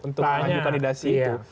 untuk kandidasi itu